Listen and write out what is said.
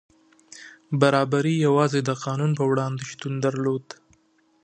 برابري یوازې د قانون په وړاندې شتون درلود.